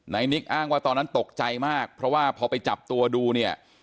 นิกอ้างว่าตอนนั้นตกใจมากเพราะว่าพอไปจับตัวดูเนี่ย